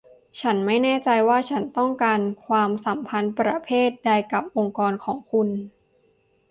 ฉันไม่แน่ใจว่าฉันต้องการความสัมพันธ์ประเภทใดกับองค์กรของคุณ